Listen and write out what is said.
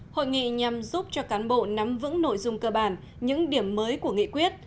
hội nghị nhằm giúp cho cán bộ nắm vững nội dung cơ bản những điểm mới của nghị quyết